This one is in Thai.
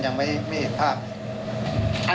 ยังไม่เห็นภาพ